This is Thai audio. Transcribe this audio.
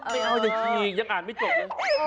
ไม่เอาอย่าขี่ยังอ่านไม่จบเลย